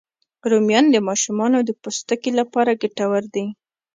رومیان د ماشومانو د پوستکي لپاره ګټور دي